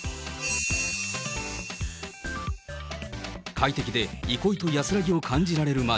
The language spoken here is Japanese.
快適で憩いと安らぎを感じられる街。